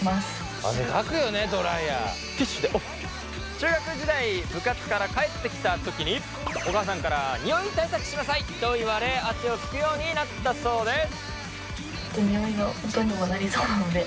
中学時代部活から帰ってきた時にお母さんからニオイ対策しなさいと言われ汗を拭くようになったそうです。